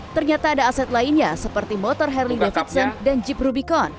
ternyata ada aset lainnya seperti motor harley davidson dan jeep rubicon